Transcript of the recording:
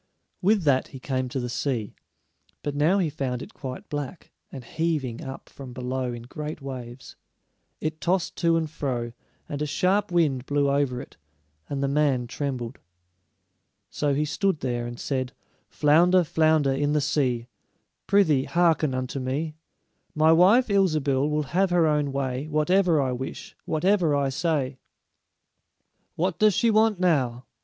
With that he came to the sea, but now he found it quite black, and heaving up from below in great waves. It tossed to and fro, and a sharp wind blew over it, and the man trembled. So he stood there, and said: "Flounder, flounder in the sea, Prythee, hearken unto me: My wife, Ilsebil, will have her own way Whatever I wish, whatever I say." "What does she want now?"